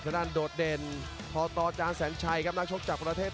ประโยชน์ทอตอร์จานแสนชัยกับยานิลลาลีนี่ครับ